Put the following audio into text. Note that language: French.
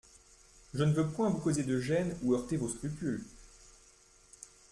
Je ne veux point vous causer de gêne ou heurter vos scrupules.